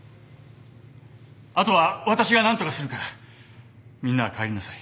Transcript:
あとは私がなんとかするからみんなは帰りなさい。